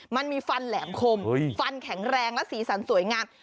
มันมีฟันแหลมคมฟันแข็งแรงและสีสันสวยงาม